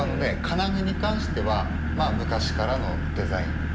金具に関しては昔からのデザイン。